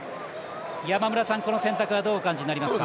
山村さん、この選択はどうお感じになりますか？